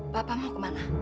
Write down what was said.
papa mau kemana